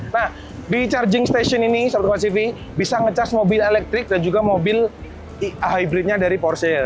nah di charging station ini satu dua cv bisa nge charge mobil elektrik dan juga mobil hybridnya dari porsil